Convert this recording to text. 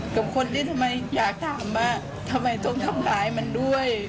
กับคนที่ทำไมอยากถามว่าทำไมต้องทำร้ายมันด้วย